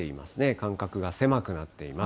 間隔が狭くなっています。